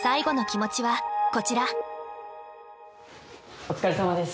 お疲れさまです。